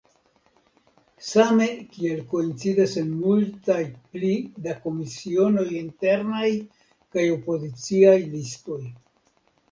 Same kiel koincidas en multaj pli da komisionoj internaj kaj opoziciaj listoj.